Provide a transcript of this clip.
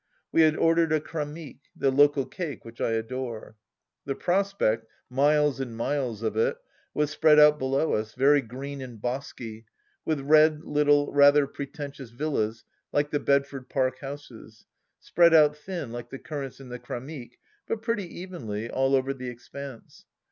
We had ordered a cramiqiie, the local cake, which I adore. The prospect, miles and miles of it, was spread out below us, very green and bosky, with red, little, rather pretentious villas like the Bedford Park houses, spread out thin, like the cur rants in the cramique, but pretty evenly, all over the expanse.